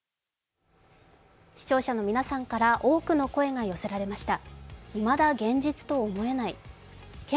視聴者の皆さんから多くの声が寄せられました。